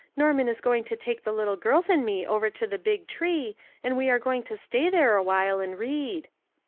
Norman is going to. take the little girls and me over to the big tree, and we are going to stay there awhile, and read."